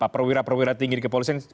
perwira perwira tinggi di kepolisian